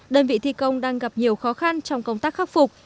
đơn vị thi công đang gặp nhiều khó khăn trong công tác khắc phục